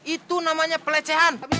itu namanya pelecehan